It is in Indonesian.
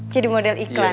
jadi model iklan